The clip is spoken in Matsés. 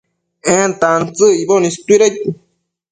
en tantsëc icboc istuidaid